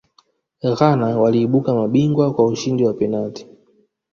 ghana waliibuka mabingwa kwa ushindi kwa penati